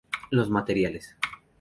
Los materiales.